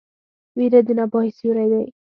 ویره د ناپوهۍ سیوری دی.